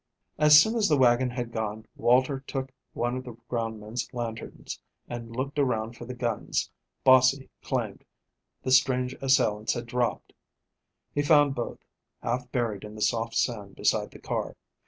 As soon as the wagon had gone Walter took one of the ground men's lanterns, and looked around for the guns Bossie claimed the strange assailants had dropped. He found both, half buried in the soft sand beside the car.